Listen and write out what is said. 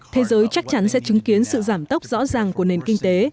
thế giới chắc chắn sẽ chứng kiến sự giảm tốc rõ ràng của nền kinh tế